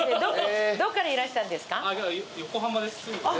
どっからいらしたんですか？